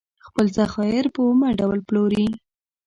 خپل ذخایر په اومه ډول پلوري.